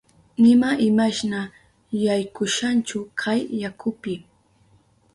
Nima imashna yaykushanchu kay yakupi.